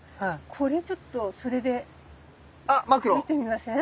これちょっとそれで見てみません？